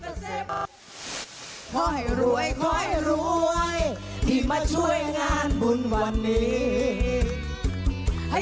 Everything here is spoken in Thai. ไปครบกันเลยค่ะ